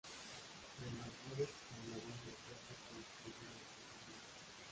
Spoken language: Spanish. El margrave se trasladó a Inglaterra con su segunda esposa inglesa.